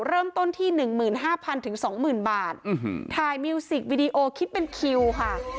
เริ่มต้นที่หนึ่งหมื่นห้าพันถึงสองหมื่นบาทอื้อหือถ่ายมิวสิกวีดีโอคิดเป็นคิวค่ะ